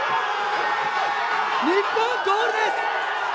日本ゴールです！